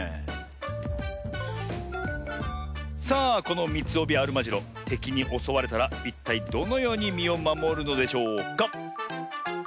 さあこのミツオビアルマジロてきにおそわれたらいったいどのようにみをまもるのでしょうか？